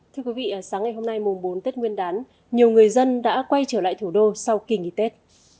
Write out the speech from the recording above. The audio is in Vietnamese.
thưa quý vị sáng ngày hôm nay mùng bốn tết nguyên đán nhiều người dân đã quay trở lại thủ đô sau kỳ nghỉ tết